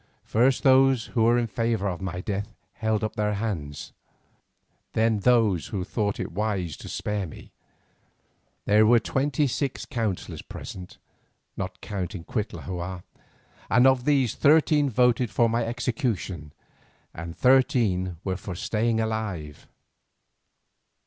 First those who were in favour of my death held up their hands, then those who thought that it would be wise to spare me. There were twenty six councillors present, not counting Cuitlahua, and of these thirteen voted for my execution and thirteen were for saving me alive.